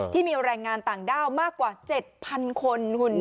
ที่มีแรงงานต่างด้าวมากกว่า๗๐๐คนคุณ